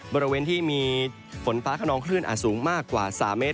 บริเวณที่มีฝนฟ้าขนองคลื่นอาจสูงมากกว่า๓เมตร